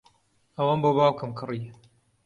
ئەوەم بۆ باوکم کڕی.